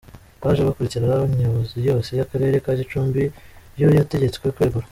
Baje bakurikira Nyobozi yose y’Akarere ka Gicumbi yo yategetswe kwegura.